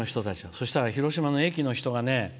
そしたら広島の駅の人がね